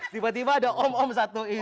tiba tiba ada om om satu ini